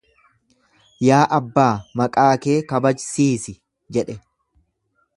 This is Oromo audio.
Yaa Abbaa, maqaa kee kabajsiisi jedhe.